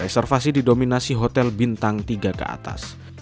observasi didominasi hotel bintang tiga ke atas